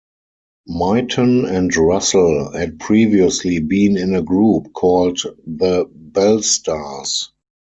Myton and Russell had previously been in a group called the Bellstars.